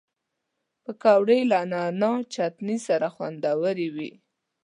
پکورې له نعناع چټني سره خوندورې وي